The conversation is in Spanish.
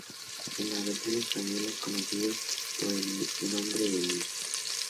En la versión española es conocido por el nombre de Luis.